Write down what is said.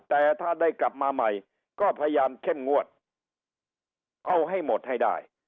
แต่ถ้าได้กลับมาใหม่ก็พยายามเข้มงวดเอาให้หมดให้ได้